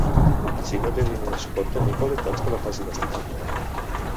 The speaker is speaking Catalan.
Si no té diners, pot tenir qualitats que la facen estimar?